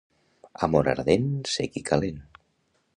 Amor ardent, cec i calent.